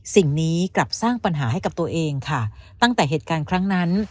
สิ่งนี้กลับสร้างปัญหาให้กับตัวเองค่ะตั้งแต่เหตุการณ์ครั้งนั้น